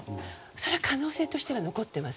それは可能性として残っています。